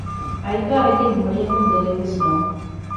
އައިކާ ހެދީ މުޅިއަކުން ދޮގެއްވެސް ނޫން